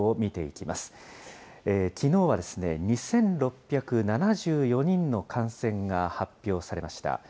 きのうはですね、２６７４人の感染が発表されました。